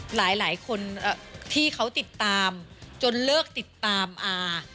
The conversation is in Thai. หลายคนที่เขาติดตามจนเลิกติดตามอา